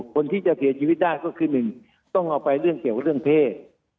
คนที่จะเสียชีวิตได้ก็คือ๑ต้องเอาไปเรื่องเกี่ยวกับเรื่องเพศ